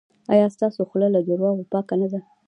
ایا ستاسو خوله له درواغو پاکه نه ده؟